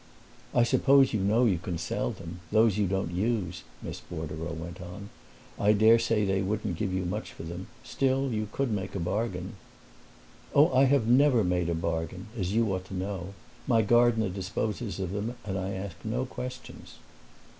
"I suppose you know you can sell them those you don't use," Miss Bordereau went on. "I daresay they wouldn't give you much for them; still, you could make a bargain." "Oh, I have never made a bargain, as you ought to know. My gardener disposes of them and I ask no questions."